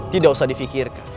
tidak usah di fikirkan